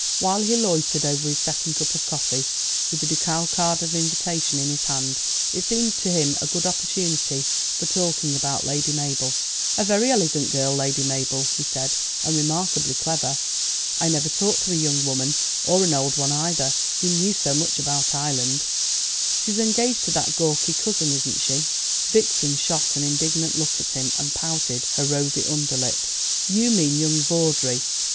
While he loitered over his second cup of coffee, with the ducal card of invitation in his hand, it seemed to him a good opportunity for talking about Lady Mabel. "A very elegant girl, Lady Mabel," he said; "and remarkably clever. I never talked to a young woman, or an old one either, who knew so much about Ireland. She's engaged to that gawky cousin, isn't she?" Vixen shot an indignant look at him, and pouted her rosy underlip. "You mean young Vawdrey.